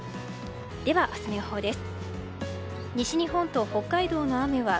では、明日の予報です。